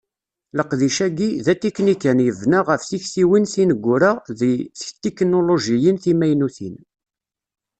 Leqdic-agi, d atiknikan yebna ɣef tiktiwin tineggura deg tetiknulujiyin timaynutin.